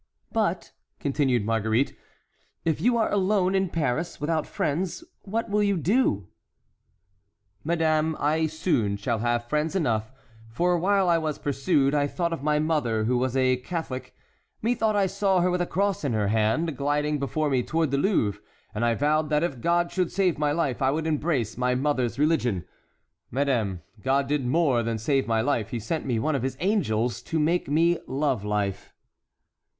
"But," continued Marguerite, "if you are alone in Paris, without friends, what will you do?" "Madame, I soon shall have friends enough, for while I was pursued I thought of my mother, who was a Catholic; methought I saw her with a cross in her hand gliding before me toward the Louvre, and I vowed that if God should save my life I would embrace my mother's religion. Madame, God did more than save my life, he sent me one of his angels to make me love life."